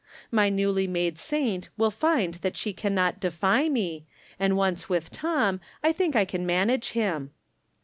My newly made saint wUl find she can not defy me, and once with Tom I think I can manage him.